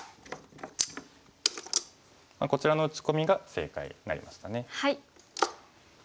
こちらの打ち込みが正解になりましたね。